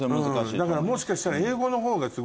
だからもしかしたら。